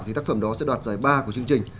thì tác phẩm đó sẽ đoạt giải ba của chương trình